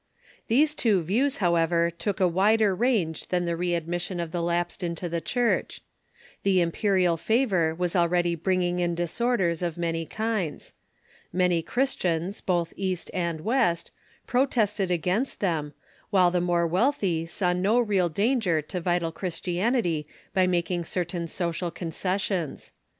These two views, however, took a wider range than the readmission of the lapsed into the Church. The im perial favor was already bringing in disorders of many kinds. Many Christians, both East and West, protested against them, while the more Avealthy saw no real danger to vital Christian ity by making certain social concessions.